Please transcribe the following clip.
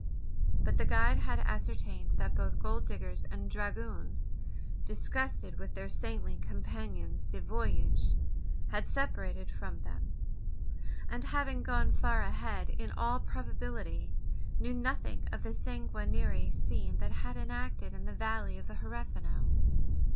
But the guide had ascertained that both gold diggers and dragoons disgusted with their saintly compagnons du voyage had separated from them; and, having gone far ahead, in all probability knew nothing of the sanguinary scene that had been enacted in the valley of the Huerfano!